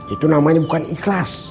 itu namanya bukan ikhlas